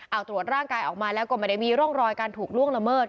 เอาตรวจร่างกายออกมาแล้วก็ไม่ได้มีร่องรอยการถูกล่วงละเมิด